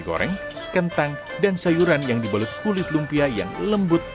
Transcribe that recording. goreng kentang dan sayuran yang dibalut kulit lumpia yang lembut